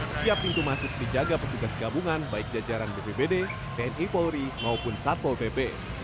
setiap pintu masuk dijaga petugas gabungan baik jajaran bpbd tni polri maupun satpol pp